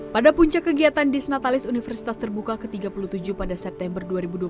pada puncak kegiatan disnatalis universitas terbuka ke tiga puluh tujuh pada september dua ribu dua puluh